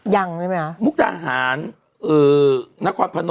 ยังเลยเหมือนกัน